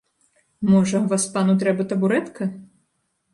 Можа, васпану трэба табурэтка?